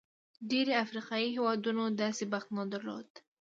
ډېری افریقايي هېوادونو داسې بخت نه درلود.